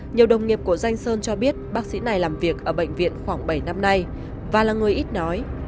nhiều đồng nghiệp của danh sơn cho biết bác sĩ này làm việc ở bệnh viện khoảng bảy năm nay và là người ít nói